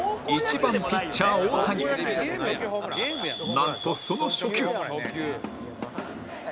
なんとその初球